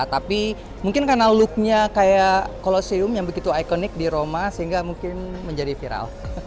tapi mungkin karena looknya kayak coloseum yang begitu ikonik di roma sehingga mungkin menjadi viral